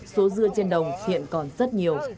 số dưa trên đồng hiện còn rất nhiều